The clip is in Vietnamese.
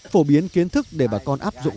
phổ biến kiến thức để bà con áp dụng